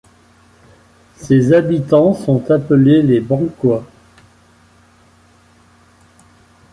Ses habitants sont appelés les Benquois.